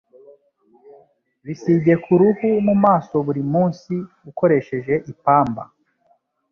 Bisige ku ruhu mu maso buri munsi, ukoresheje ipamba.